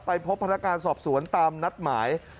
ไปพบพนักการณ์สอบสวนตามนัดหมาย